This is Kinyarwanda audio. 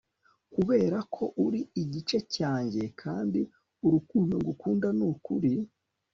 Kuberako uri igice cyanjye kandi urukundo ngukunda nukuri